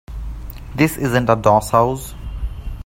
This isn't a doss house.